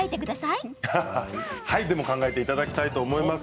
でも考えていただきたいと思います。